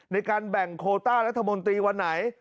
ในการแบ่งโคต้ารัฐมนตรีวันไหน